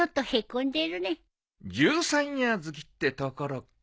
十三夜月ってところか。